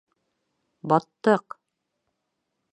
Баттыҡ!